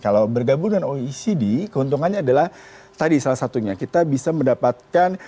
kalau bergabung dengan oecd keuntungannya adalah tadi salah satunya kita bisa mendapatkan